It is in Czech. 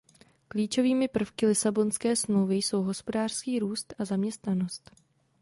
Klíčovými prvky Lisabonské smlouvy jsou hospodářský růst a zaměstnanost.